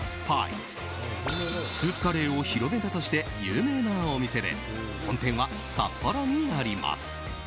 スープカレーを広めたとして有名なお店で本店は札幌にあります。